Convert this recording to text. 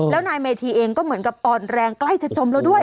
แล้วนายเมธีเองก็เหมือนกับอ่อนแรงใกล้จะจมแล้วด้วย